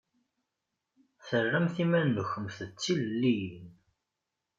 Terramt iman-nkumt d tilelliyin.